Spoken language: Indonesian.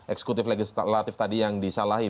eksekutif legislatif tadi yang disalahin